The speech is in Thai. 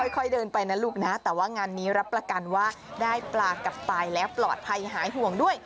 ค่อยเดินไปนะลูกนะแต่ว่างานนี้รับประกันว่าได้ปลากลับไปแล้วปลอดภัยหายห่วงด้วย